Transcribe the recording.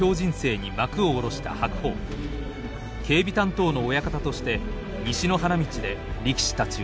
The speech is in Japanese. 警備担当の親方として西の花道で力士たちを見守る。